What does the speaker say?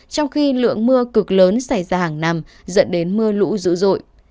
trong khi lượng mưa cực lớn xảy ra hàng năm dẫn đến mưa lũ dữ dội